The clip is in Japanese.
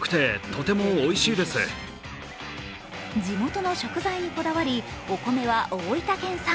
地元の食材にこだわり、お米は大分県産。